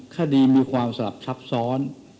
คดีมีความสลับซับซ้อน